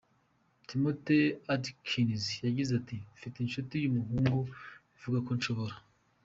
Timothy Atkins yagize ati Mfite inshuti yumuhungu bivuga ko nshobora.